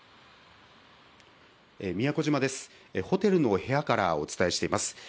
ホテルの部屋からお伝えしています。